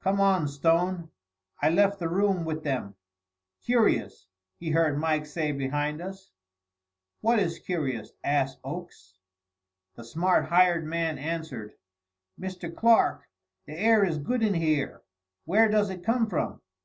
"Come on, Stone." I left the room with them. "Curious!" he heard Mike say behind us. "What is curious?" asked Oakes. The smart hired man answered. "Mr. Clark, the air is good in here. Where does it come from?"